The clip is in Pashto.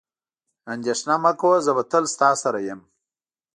اندېښنه مه کوه، زه به تل ستا سره وم.